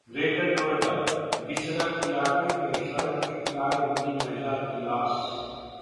greater Noida Bisrakh इलाके में सड़क के किनारे मिली महिला की लाश